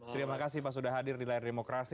terima kasih pak sudah hadir di layar demokrasi